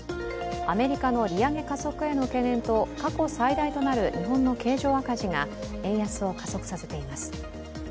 アメリカの利上げ加速への懸念と、過去最大となる日本の経常赤字が円安を加速させています。